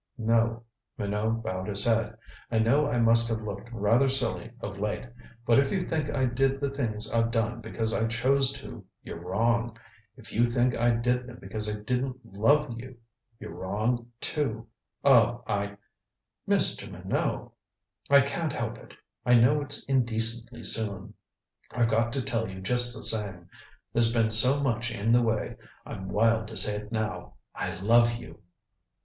"No." Minot bowed his head. "I know I must have looked rather silly of late. But if you think I did the things I've done because I chose to you're wrong. If you think I did them because I didn't love you you're wrong, too. Oh, I " "Mr. Minot!" "I can't help it. I know it's indecently soon I've got to tell you just the same. There's been so much in the way I'm wild to say it now. I love you."